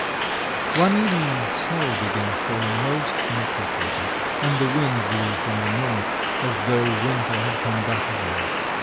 One evening snow began falling most inappropriately, and the wind blew from the north as though winter had come back again.